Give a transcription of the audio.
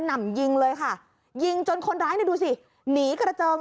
นำยิงเลยค่ะยิงจนคนร้ายเนี่ยดูสิหนีกระเจิง